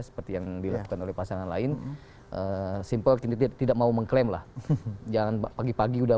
seperti yang dilakukan oleh pasangan lain simple tidak mau mengklaim lah jangan pagi pagi udah